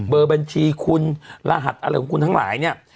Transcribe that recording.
เบอร์บัญชีคุณรหัสอะไรของคุณทั้งหลายเนี่ย